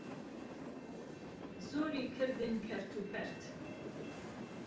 زۆری کردن کەرت و پەرت